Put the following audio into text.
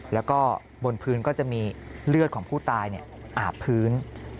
แล้วก็บนพื้นก็จะมีเลือดของผู้ตายอาบพื้น